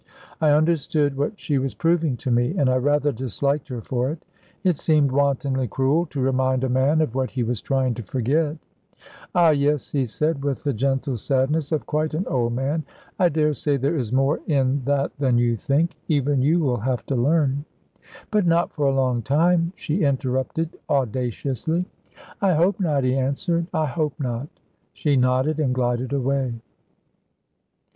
I understood what she was proving to me, and I rather disliked her for it. It seemed wantonly cruel to remind a man of what he was trying to forget. "Ah, yes," he said, with the gentle sadness of quite an old man, "I dare say there is more in that than you think. Even you will have to learn." "But not for a long time," she interrupted audaciously. "I hope not," he answered, "I hope not." She nodded and glided away.